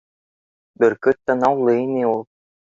Бөркөт танаулы ине ул